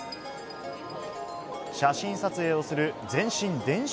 写真撮影をする全身電飾